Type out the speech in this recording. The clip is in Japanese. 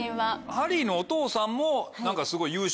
ハリーのお父さんもすごい。